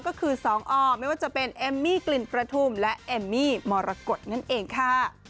ก็คือสองอไม่ว่าจะเป็นเอมมี่กลิ่นประทุมและเอมมี่มรกฏนั่นเองค่ะ